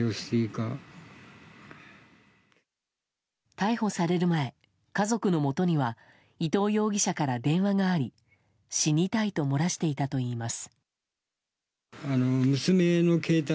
逮捕される前、家族のもとには伊藤容疑者から電話があり死にたいと漏らしていたといいます。